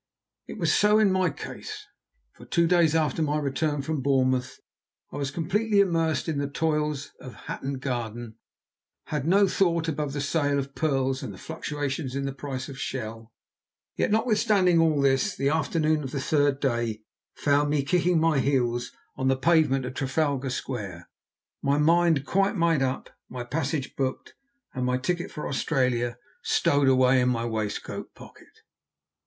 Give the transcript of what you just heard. It was so in my case. For two days after my return from Bournemouth I was completely immersed in the toils of Hatton Garden, had no thought above the sale of pearls and the fluctuations in the price of shell; yet, notwithstanding all this, the afternoon of the third day found me kicking my heels on the pavement of Trafalgar Square, my mind quite made up, my passage booked, and my ticket for Australia stowed away in my waistcoat pocket.